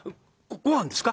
ごはんですか？